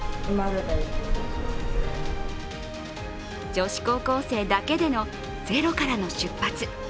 女子高校生だけでのゼロからの出発。